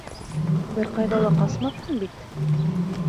Бер ҡайҙа ла ҡасмаҫһың бит?